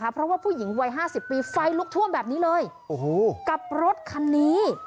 เพราะว่าผู้หญิงวัย๕๐ปีไฟลุกท่วมแบบนี้เลยกับรถคันนี้